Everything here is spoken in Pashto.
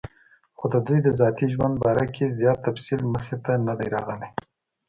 خو دَدوي دَذاتي ژوند باره کې زيات تفصيل مخې ته نۀ دی راغلی